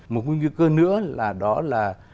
một nguy cơ nữa là đó là